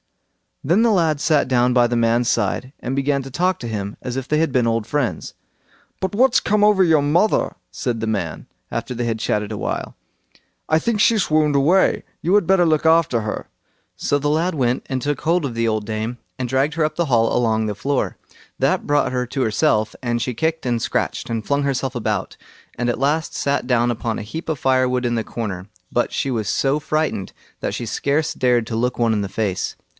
Then the lad sat down by the man's side, and began to talk to him as if they had been old friends. "But what's come over your mother?" said the man, after they had chattered a while. "I think she swooned away; you had better look after her." So the lad went and took hold of the old dame; and dragged her up the hall along the floor. That brought her to herself, and she kicked, and scratched, and flung herself about, and at last sat down upon a heap of firewood in the corner; but she was so frightened that she scarce dared to look one in the face.